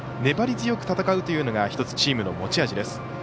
粘り強く戦うというのが１つチームの持ち味です。